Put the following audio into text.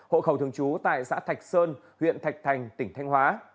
hộ khẩu thường trú tại xã thạch sơn huyện thạch thành tỉnh thanh hóa